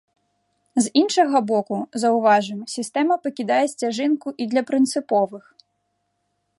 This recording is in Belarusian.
З іншага боку, заўважым, сістэма пакідае сцяжынку і для прынцыповых.